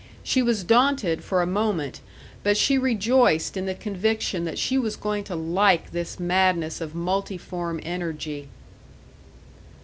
She was daunted for a moment, but she rejoiced in the conviction that she was going to like this madness of multiform energy.